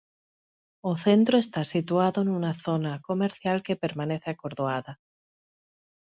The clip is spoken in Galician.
O centro está situado nunha zona comercial que permanece acordoada.